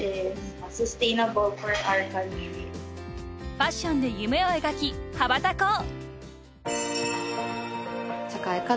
［ファッションで夢を描き羽ばたこう］